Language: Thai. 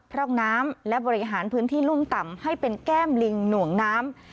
ร่องน้ำและบริหารพื้นที่รุ่มต่ำให้เป็นแก้มลิงหน่วงน้ำ